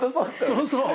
そうそう。